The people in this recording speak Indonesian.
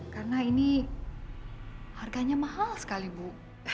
karena ini harganya mahal sekali bu